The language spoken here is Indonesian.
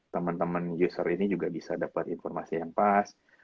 teman teman user ini juga bisa dapat informasi yang pas